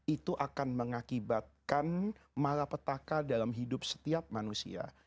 itu akan mengakibatkan malapetaka dalam hidup setiap manusia